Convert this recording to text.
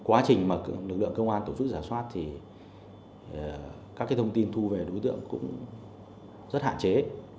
quá trình mà lực lượng công an tổ chức giả soát thì các thông tin thu về đối tượng cũng rất hạn chế